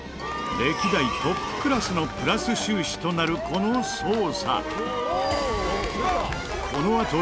歴代トップクラスのプラス収支となるこの捜査。